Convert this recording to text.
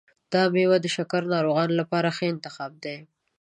دا میوه د شکرې ناروغانو لپاره ښه انتخاب دی.